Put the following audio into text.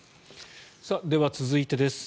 では、続いてです。